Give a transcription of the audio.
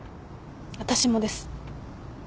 私もです。